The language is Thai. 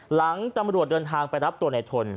หลังตำรวจเดินทางไปรับตัวในทน